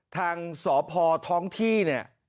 ทางสพท้องที่เนี่ย